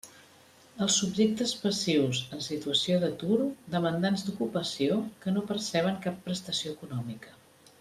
Els subjectes passius en situació d'atur demandants d'ocupació que no perceben cap prestació econòmica.